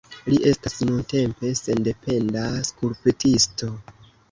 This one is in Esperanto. Li estas nuntempe sendependa skulptisto.